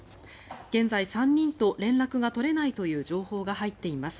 現在、３人と連絡が取れないという情報が入っています。